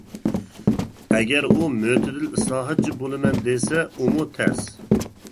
ئەگەر ئۇ مۆتىدىل ئىسلاھاتچى بولىمەن دېسە بۇمۇ تەس.